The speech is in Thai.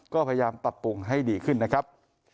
ก็พยายามปรับปรุงให้ดีขึ้นนะครับ